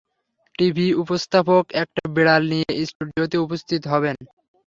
TV উপস্থাপক একটা বিড়াল নিয়ে স্টুডিওতে উপস্থিত হবেন।